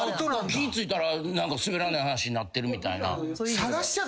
気ぃ付いたら何かすべらない話になってるみたいな。